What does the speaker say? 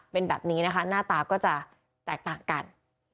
เป็นแบบนี้นะคะหน้าตาก็จะแตกต่างกัน